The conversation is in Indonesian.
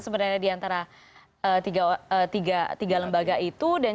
sebenarnya diantara tiga lembaga itu